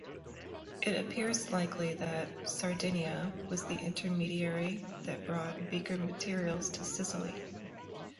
It appears likely that Sardinia was the intermediary that brought Beaker materials to Sicily.